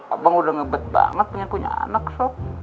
abang udah ngebet banget punya punya anak sob